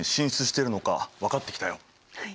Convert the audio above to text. はい。